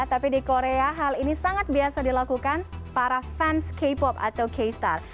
tapi di korea hal ini sangat biasa dilakukan para fans k pop atau k star